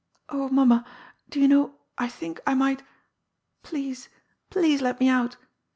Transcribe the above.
Oh, mamma, do you know I think I might Please, please let me out.